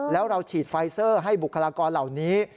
แล้วเราฉีดไฟเซอร์ให้บุคลากรเหล่านี้